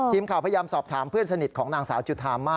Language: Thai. ทีมข่าวพยายามสอบถามเพื่อนสนิทของนางสาวจุธามา